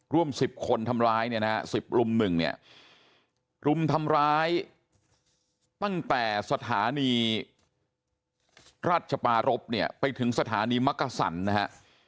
ร่วม๑๐คนทำร้ายเนี่ยนะฮะ๑๐ลุมหนึ่งเนี่ยรุมทำร้ายตั้งแต่สถานีราชปารพเนี่ยไปถึงสถานีมักกษันนะฮะ